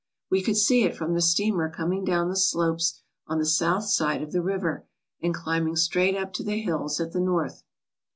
We could see it from the steamer coming down the slopes on the south side of the river and climbing straight up to the hills at the north.